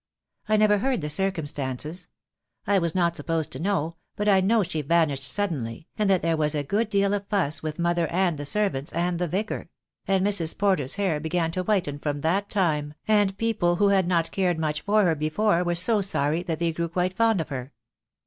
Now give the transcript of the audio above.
I never heard the circumstances. I was not supposed to know, but I know she vanished suddenly, and that there was a good deal of fuss with mother and the servants, and the Vicar; and Mrs. Porter's hair began to whiten from that time, and people who had not cared much for her before were so sorry that they grew quite fond of her."